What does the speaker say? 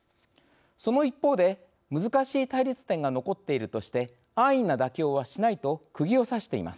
その一方で難しい対立点が残っているとして安易な妥協はしないとくぎをさしています。